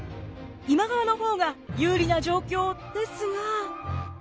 今川の方が有利な状況ですが。